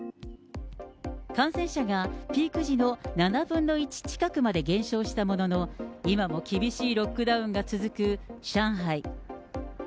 感染者がピーク時の７分の１近くまで減少したものの、今も厳しいロックダウンが続く上海。